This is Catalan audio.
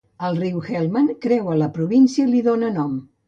El riu Helmand creua la província i li dóna nom.